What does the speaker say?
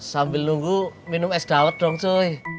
sambil nunggu minum es dawet dong sih